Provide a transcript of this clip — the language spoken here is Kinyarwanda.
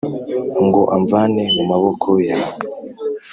ngo amvane mu maboko yawe’